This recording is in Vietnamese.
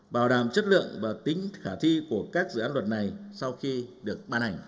bảo đảm chất lượng và tính khả thi của các dự án luật này sau khi được